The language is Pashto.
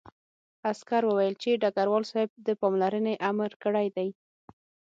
عسکر وویل چې ډګروال صاحب د پاملرنې امر کړی دی